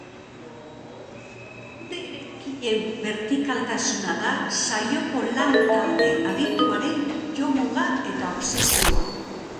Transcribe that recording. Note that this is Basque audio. Gure eraikinen bertikaltasuna da saioko lan-talde adituaren jomuga eta obsesioa.